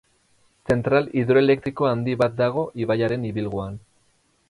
Zentral hidroelektriko handi bat dago ibaiaren ibilguan.